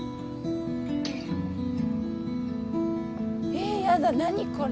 えぇやだ何これ。